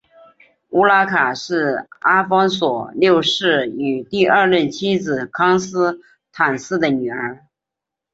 乌拉卡是阿方索六世与第二任妻子康斯坦丝的女儿。